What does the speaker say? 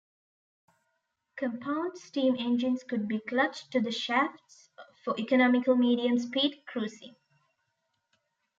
Compound steam engines could be clutched to the shafts for economical medium-speed cruising.